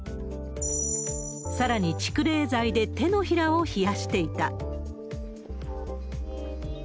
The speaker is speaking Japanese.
さらに蓄冷材で手のひらを冷やしていた。